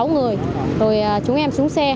sáu người rồi chúng em xuống xe